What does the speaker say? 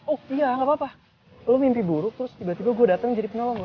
oh iya gak apa apa lu mimpi buruk terus tiba tiba gua dateng jadi penolong lu